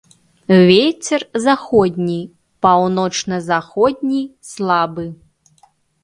Вецер заходні, паўночна-заходні слабы.